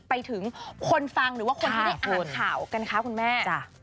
ไปถึงคนฟังหรือว่าคนที่ได้อ่านข่าวกันคะคุณแม่